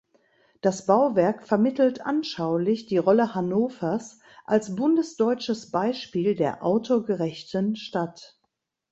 Das Bauwerk vermittelt anschaulich die Rolle Hannovers als bundesdeutsches Beispiel der autogerechten Stadt.